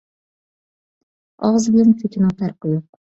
ئاغزى بىلەن كۆتىنىڭ پەرقى يوق.